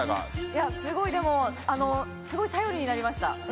いやすごいでもすごい頼りになりました。